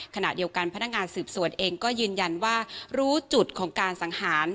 ขณะเดียวกันพนักงานสืบสวนเองก็ยืนยันว่ารู้จุดของการสังหาร